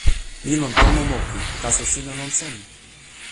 mi lon tomo moku, taso sina lon seme?